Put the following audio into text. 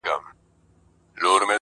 o وږی په خوب ډوډۍ ويني!